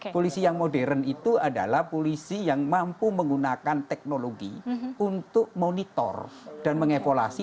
polisi yang modern itu adalah polisi yang mampu menggunakan teknologi untuk monitor dan mengevaluasi